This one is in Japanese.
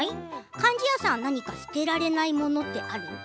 貫地谷さんは何か捨てられないものってある？